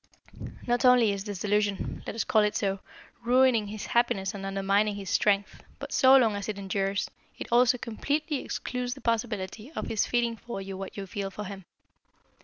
Not only is this delusion let us call it so ruining his happiness and undermining his strength, but so long as it endures, it also completely excludes the possibility of his feeling for you what you feel for him.